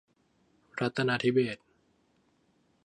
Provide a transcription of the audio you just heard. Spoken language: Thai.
รัตนาธิเบศร์